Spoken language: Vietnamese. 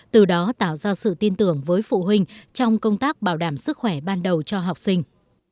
từ đó tạo ra sự tin tưởng với phụ huynh trong công tác bảo đảm sức khỏe ban đầu cho học sinh